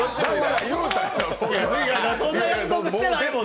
そんな約束してないもん。